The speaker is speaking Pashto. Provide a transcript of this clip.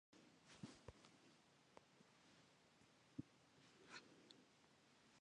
آیا ډوډۍ به د مېلمنو د خوښې مطابق پخه شوې وي؟